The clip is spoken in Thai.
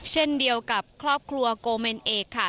เช่นเดียวกับครอบครัวโกเมนเอกค่ะ